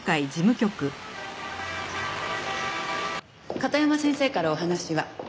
片山先生からお話は。